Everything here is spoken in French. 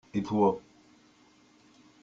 Et toi ?